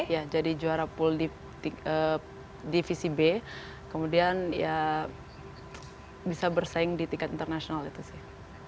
ya jadi juara pool divisi b kemudian ya bisa bersaing di tingkat internasional itu sih